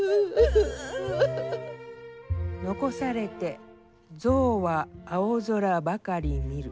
「遺されて象は青空ばかり見る」。